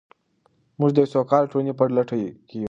موږ د یوې سوکاله ټولنې په لټه کې یو.